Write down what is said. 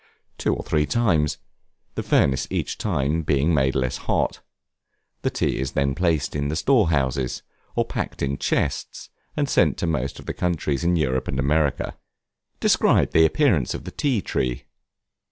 Two or three times, the furnace each time being made less hot. The tea is then placed in the store houses, or packed in chests, and sent to most of the countries in Europe and America. Describe the appearance of the Tea tree.